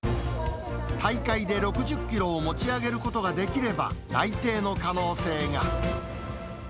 大会で６０キロを持ち挙げることができれば内定の可能性が。